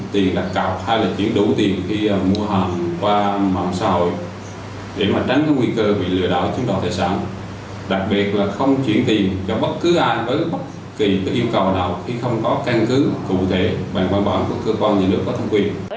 tố tiền lớn để hưởng hoa hồng